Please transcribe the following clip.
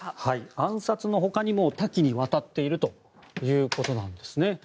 暗殺のほかにも多岐にわたっているということなんですね。